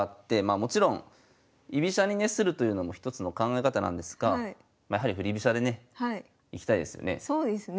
もちろん居飛車にねするというのも一つの考え方なんですがやはり振り飛車でねいきたいですよね。